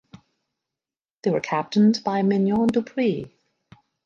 They were captained by Mignon du Preez.